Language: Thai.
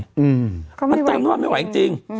มันเติมน้ำมันไม่ไหวจริง